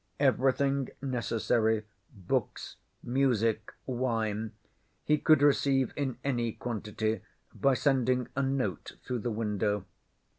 Everything necessary, books, music, wine, he could receive in any quantity by sending a note through the window.